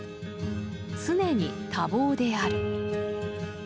常に多忙である。